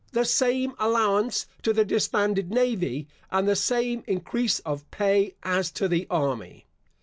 The same allowance to the disbanded navy, and the same increase of pay, as to the army.